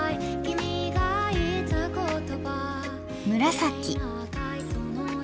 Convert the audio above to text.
紫。